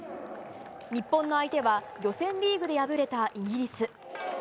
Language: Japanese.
日本の相手は予選リーグで敗れたイギリス。